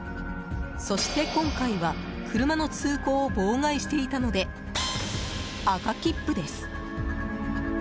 そして今回は、車の通行を妨害していたので赤切符です。